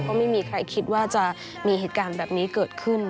ก็ไม่มีใครคิดว่าจะมีเหตุการณ์แบบนี้เกิดขึ้น